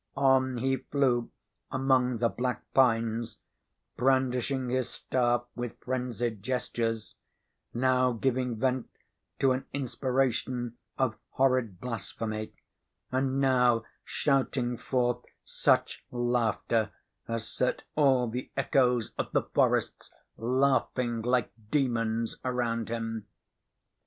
On he flew among the black pines, brandishing his staff with frenzied gestures, now giving vent to an inspiration of horrid blasphemy, and now shouting forth such laughter as set all the echoes of the forest laughing like demons around him.